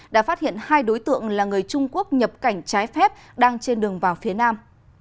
đã phát hiện hai đối tượng là người trung quốc nhập cảnh trái phép đang trên đường vào phía nam